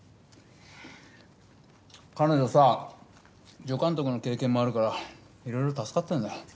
彼女さ助監督の経験もあるからいろいろ助かってるんだ。